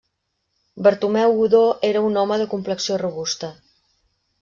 Bartomeu Godó era un home de complexió robusta.